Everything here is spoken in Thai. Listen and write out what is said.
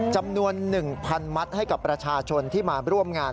จำนวน๑๐๐๐มัตต์ให้กับประชาชนที่มาร่วมงาน